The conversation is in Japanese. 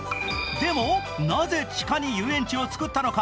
でも、なぜ地下に遊園地を作ったのか。